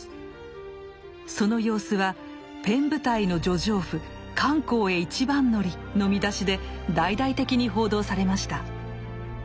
その様子は「ペン部隊の女丈夫漢口へ一番乗り」の見出しで大々的に報道されました。